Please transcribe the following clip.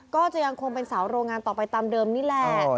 ก็จะยังคงเป็นสาวโรงงานต่อไปตามเดิมนี่แหละ